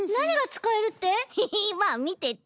ヘヘまあみてて。